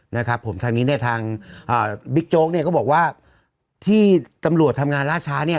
นะครับผมทางนี้เนี่ยทางอ่าบิ๊กโจ๊กเนี่ยก็บอกว่าที่ตำรวจทำงานล่าช้าเนี่ย